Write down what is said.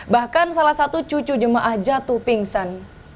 bahkan salah satu cucu jemaah jatuh pingsan